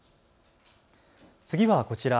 次はこちら。